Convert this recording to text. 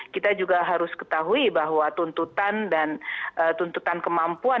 kita juga harus ketahui bahwa tuntutan dan tuntutan kemampuan